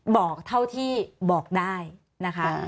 บอกเท่าที่บอกได้นะคะ